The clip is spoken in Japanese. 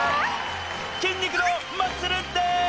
筋肉のマッスルンです！